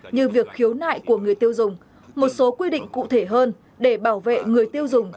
như việc khiếu nại của người tiêu dùng một số quy định cụ thể hơn để bảo vệ người tiêu dùng